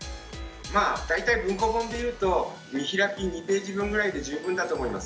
まあ大体文庫本で言うと見開き２ページ分ぐらいで十分だと思います。